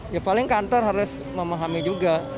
ya paling kantor harus memahami juga